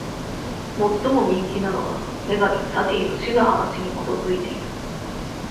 最も人気なのは女神サティの死の話に基づいている。